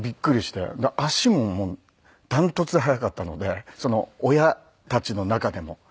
足ももう断トツで速かったので親たちの中でも。